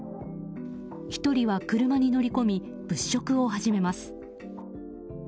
１人は車に乗り込み物色を始めます。